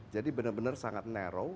jadi benar benar sangat narrow